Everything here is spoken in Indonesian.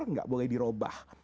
tidak boleh dirobah